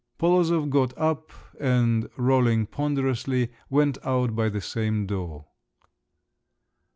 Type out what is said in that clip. Polozov got up, and rolling ponderously, went out by the same door.